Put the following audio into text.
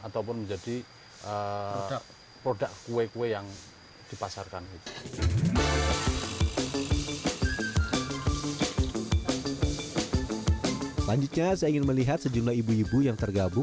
ataupun menjadi produk kue kue yang dipasarkan